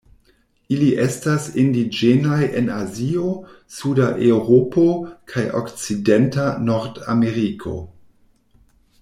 Ili estas indiĝenaj en Azio, suda Eŭropo kaj okcidenta Nordameriko.